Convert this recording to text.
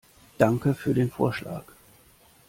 Danke für den Vorschlag.